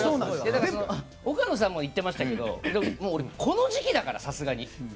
岡野さんも言ってましたけど今この時期だから、さすがに。